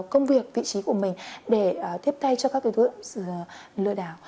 công việc vị trí của mình để tiếp tay cho các tổ chức lừa đảo